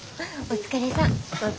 お疲れさん。